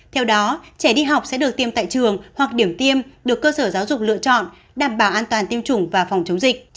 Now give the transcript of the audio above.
theo đó trẻ đi học sẽ được tiêm tại trường hoặc điểm tiêm được cơ sở giáo dục lựa chọn đảm bảo an toàn tiêm chủng và phòng chống dịch